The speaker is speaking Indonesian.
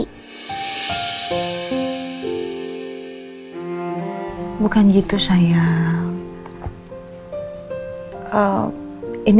papa sibuk dengan urusan papa sendiri